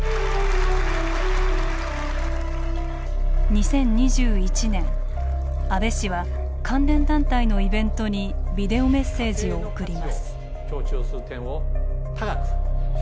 ２０２１年安倍氏は関連団体のイベントにビデオメッセージを送ります。